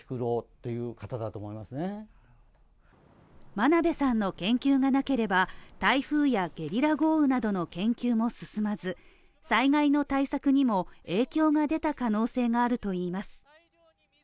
真鍋さんの研究がなければ、台風やゲリラ豪雨などの研究も進まず災害の対策にも影響が出た可能性があるといいます。